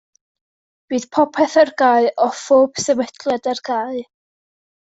Bydd popeth ar gau a phob sefydliad ar gau.